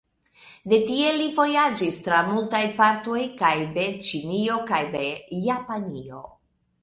De tie li vojaĝis tra multaj partoj kaj de Ĉinio kaj de Japanio.